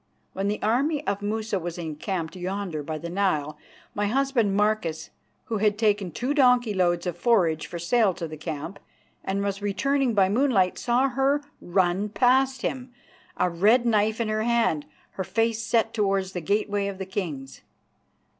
When the army of Musa was encamped yonder by the Nile my husband, Marcus, who had taken two donkey loads of forage for sale to the camp and was returning by moonlight, saw her run past him, a red knife in her hand, her face set towards the Gateway of the Kings.